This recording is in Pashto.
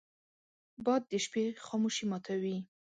باد د شپې خاموشي ماتوي